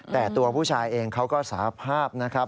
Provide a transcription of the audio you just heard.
แต่ตัวผู้ชายเองเขาก็สาภาพนะครับ